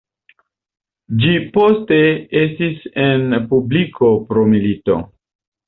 Ĝi poste estis en publiko pro milito.